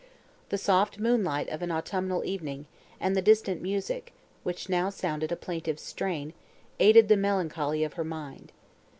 The soft moonlight of an autumnal evening, and the distant music, which now sounded a plaintive strain, aided the melancholy of her mind.